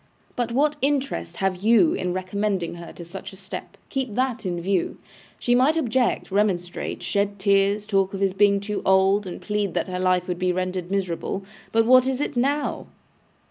But what interest have you in recommending her to such a step? Keep that in view. She might object, remonstrate, shed tears, talk of his being too old, and plead that her life would be rendered miserable. But what is it now?